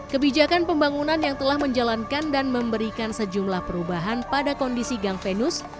kebijakan pembangunan yang telah menjalankan dan memberikan sejumlah perubahan pada kondisi gang venus